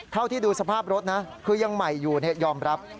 เท่าที่ดูสภาพรถนะคือยังใหม่อยู่ยอมรับ